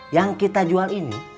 yang kita jual ini